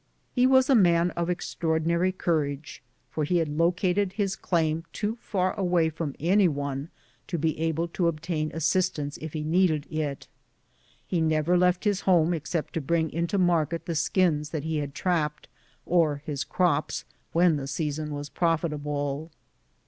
lie was a man of extraordinary courage, for he had located his claim too far away from any one to be able to obtain assistance if he needed it. He never left his home except to bring into market tlie skins that he had trapped, or his crops, when the season was profitable.